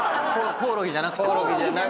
コオロギじゃなくて。